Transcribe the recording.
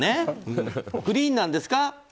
クリーンなんですか？